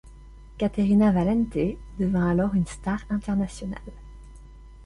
Caterina Valente devient alors une star internationale.